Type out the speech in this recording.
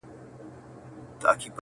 تم سه چي مسکا ته دي نغمې د بلبل واغوندم،